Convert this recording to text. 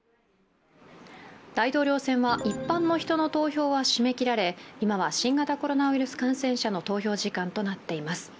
大統領選は一般の人の投票は締め切られ今は新型コロナウイルス感染者の投票時間となっています。